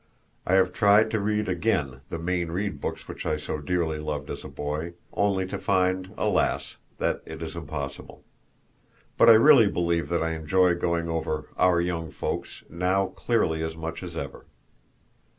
I have tried to read again the Mayne Reid books which I so dearly loved as a boy, only to find, alas! that it is impossible. But I really believe that I enjoy going over Our Young Folks now nearly as much as ever.